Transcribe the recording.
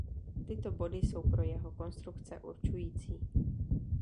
Tyto body jsou pro jeho konstrukce určující.